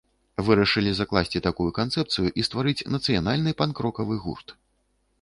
Вырашылі закласці такую канцэпцыю і стварыць нацыянальны панк-рокавы гурт.